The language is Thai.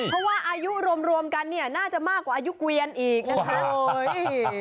เพราะว่าอายุรวมกันเนี่ยน่าจะมากกว่าอายุเกวียนอีกนะคะ